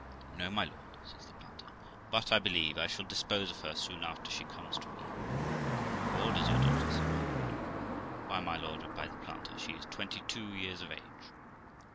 'No, my lord', says the planter, 'but I believe I shall dispose of her soon after she comes to me.' 'How old is your daughter?' said my lord. 'Why, my lord', replied the planter, ' she is twenty two years of age.'